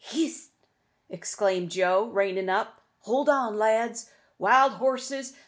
"Hist!" exclaimed Joe, reining up; "hold on, lads. Wild horses!